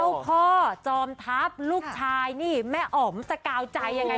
เจ้าพ่อจอมทัพลูกชายแม่ออ๋อมจะกล่าวใจยังไง